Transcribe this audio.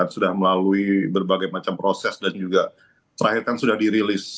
sudah melalui berbagai macam proses dan juga terakhir kan sudah dirilis